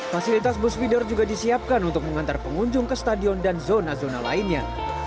fasilitas bus feeder juga disiapkan untuk mengantar pengunjung ke stadion dan zona zona lainnya